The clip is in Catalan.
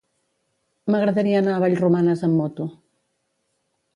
M'agradaria anar a Vallromanes amb moto.